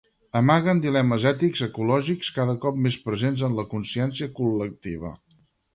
Amaguen dilemes ètics ecològics cada cop més presents en la consciència col·lectiva